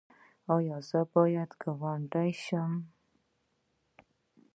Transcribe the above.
ایا زه باید ګاونډی شم؟